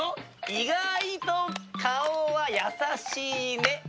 意外と顔は優しいね。